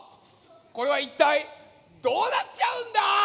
これはいったいどうなっちゃうんだ？